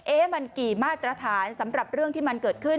มันกี่มาตรฐานสำหรับเรื่องที่มันเกิดขึ้น